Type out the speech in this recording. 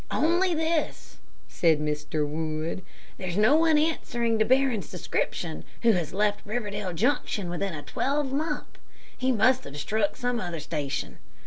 "Only this," said Mr. Wood. "There's no one answering to Barron's description who has left Riverdale Junction within a twelvemonth. He must have struck some other station.